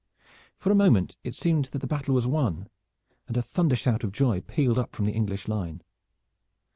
For a moment it seemed that the battle was won, and a thundershout of joy pealed up from the English line.